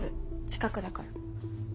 近くだから。